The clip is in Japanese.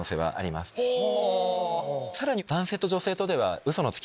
さらに。